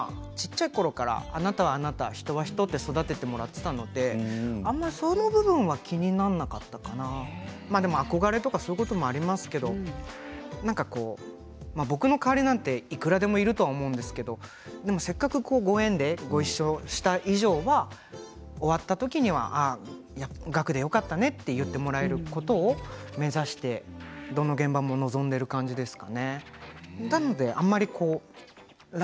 そういうこともあったけれど小っちゃいころからあなたはあなた人は人と育ててもらっていたのであまりその部分が気にならなかったかなでも憧れとかそういうこともありますけれど僕の代わりなんていくらでもいると思うんですけれどせっかくご縁でごいっしょした以上は終わった時には岳でよかったねって言ってもらえることを目指して岳でよかったねって言ってもらえることを目指してどの現場も望んでいる感じですかね。